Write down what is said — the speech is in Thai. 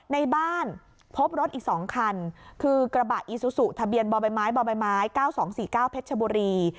ในบ้านพบรถอีก๒คันคือกระบะอีซูซูทะเบียนบมบม๙๒๔๙เพชรบุรี